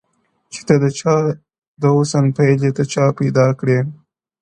چي ته د چا د حُسن پيل يې ته چا پيدا کړې ـ